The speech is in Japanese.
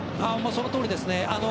そのとおりですね。